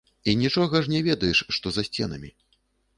І нічога ж не ведаеш што за сценамі.